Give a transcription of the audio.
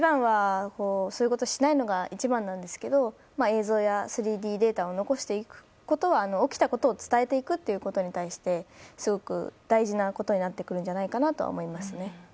そういうことをしないのが一番なんですけど、映像や３Ｄデータを残していくことは起きたことを伝えていくということに対してすごく大事なことになってくるんじゃないかと思います。